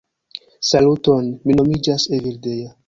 Saluton, mi nomiĝas Evildea